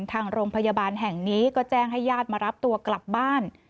ทางโรงพยาบาลแห่งนี้ก็แจ้งให้ญาติมารับตัวกลับบ้าน